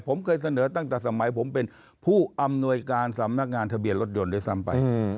ผมเคยเสนอตั้งแต่สมัยผมเป็นผู้อำนวยการสำนักงานทะเบียนรถยนต์ด้วยซ้ำไป